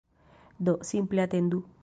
Do, simple atendu